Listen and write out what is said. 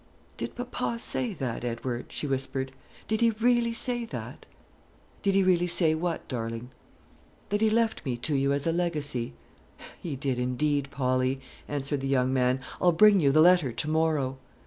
"Did papa say that, Edward?" she whispered; "did he really say that?" "Did he really say what, darling?" "That he left me to you as a legacy?" "He did indeed, Polly," answered the young man. "I'll bring you the letter to morrow."